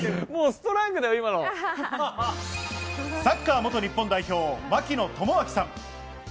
サッカー元日本代表・槙野智章さん。